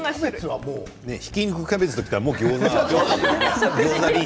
ひき肉、キャベツときたらもうギョーザ。